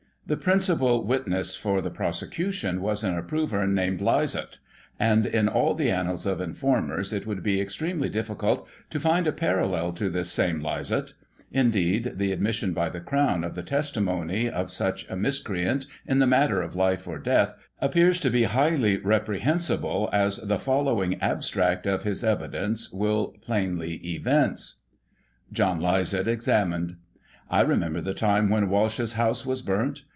The principal witness for the prosecution was an approver, named Lysaght ; and, in all the annals of informers, it would be extremely difficult to find a parallel to this same Lysaght. Indeed, the admission by the Crown of the testimony of such a miscreant, in the matter of life or death, appears to be highly reprehensible, as the following abstract of his evidence will plainly evince: John Lysaght examined : I remember the time when Walsh's house was burnt.